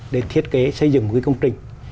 để thiết kế xây dựng cái công trình